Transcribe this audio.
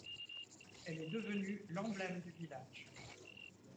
Elle est devenue l'emblème du village.